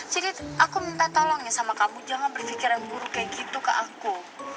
jadi aku minta tolong ya sama kamu jangan berfikiran buruk kayak gitu ke aku